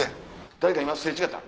誰か今擦れ違った？